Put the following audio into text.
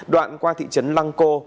đoạn qua thị trấn lăng cô